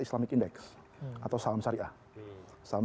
islamic index atau salam syariah salam